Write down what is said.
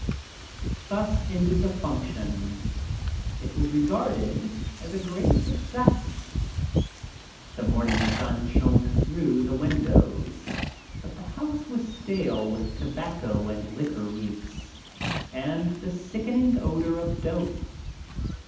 Thus ended the function. It was regarded as a great success. The morning sun shone through the windows, but the house was stale with tobacco and liquor reeks and the sickening odor of "dope."